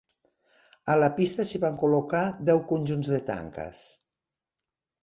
A la pista s'hi van col·locar deu conjunts de tanques.